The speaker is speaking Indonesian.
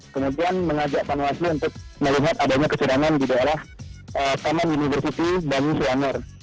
kemudian mengajakkan wakil untuk melihat adanya kecederangan di daerah paman universiti banyu suwanger